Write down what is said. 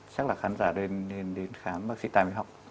chắc là khán giả nên đến khám bác sĩ tài mỹ họng